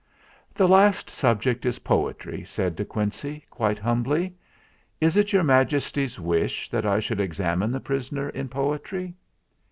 "The last subject is poetry/' said De Quincey, quite humbly. "Is it Your Majesty's wish that I should examine the prisoner in poetry